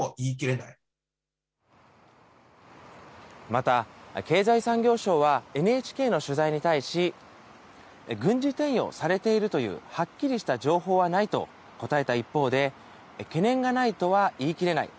また、経済産業省はＮＨＫの取材に対し、軍事転用されているというはっきりした情報はないと答えた一方で、懸念がないとは言い切れない。